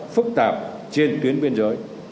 phức tạp trên tuyến biên giới